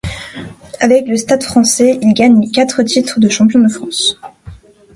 Avec le Stade français, il gagne quatre titres de Champion de France.